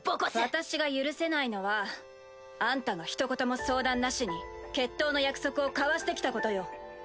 私が許せないのはあんたがひと言も相談なしに決闘の約束を交わしてきたことよ。